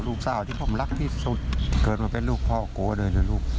ลูกสาวที่ผมรักที่สุดเกิดมาเป็นลูกพ่อโกเลยนะลูก